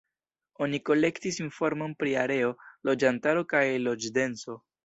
Oni kolektis informon pri areo, loĝantaro kaj loĝdenso.